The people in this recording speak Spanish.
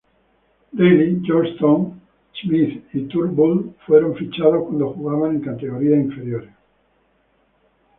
Reilly, Johnstone, Smith y Turnbull fueron fichados cuando jugaban en categorías inferiores.